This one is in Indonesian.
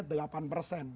nanti ada orang